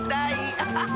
アハハ！